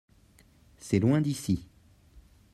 C'est loin d'ici.